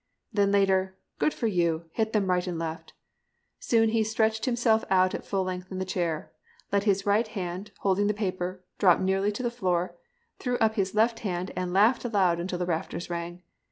Then later, 'Good for you; hit them right and left.' Soon he stretched himself out at full length in the chair, let his right hand, holding the paper, drop nearly to the floor, threw up his left and laughed aloud until the rafters rang.